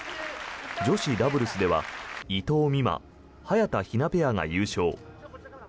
女子ダブルスでは伊藤美誠・早田ひなペアが優勝。